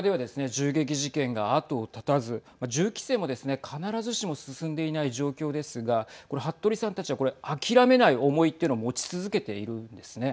銃撃事件が後を絶たず銃規制もですね、必ずしも進んでいない状況ですが服部さんたちは諦めない思いというのをですね